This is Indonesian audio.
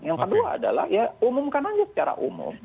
yang kedua adalah ya umumkan aja secara umum